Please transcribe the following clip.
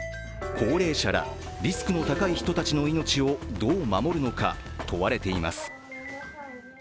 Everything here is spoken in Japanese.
高齢者ら、リスクの高い人たちの命をどう守るのか、問われています。